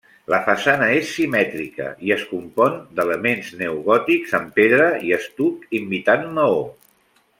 La façana és simètrica i es compon d'elements neogòtics, en pedra i estuc imitant maó.